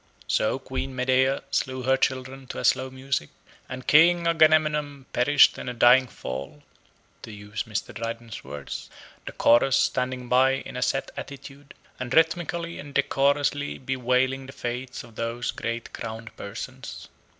So Queen Medea slew her children to a slow music: and King Agamemnon perished in a dying fall (to use Mr. Dryden's words): the Chorus standing by in a set attitude, and rhythmically and decorously bewailing the fates of those great crowned persons.